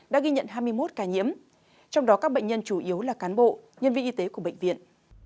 đã ghi nhận hai mươi một ca nhiễm trong đó các bệnh nhân chủ yếu là cán bộ nhân viên y tế của bệnh viện